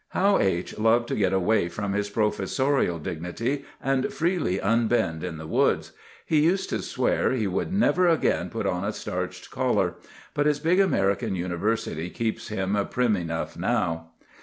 How H—— loved to get away from his professorial dignity and freely unbend in the woods! He used to swear he would never again put on a starched collar. But his big American university keeps him prim enough now!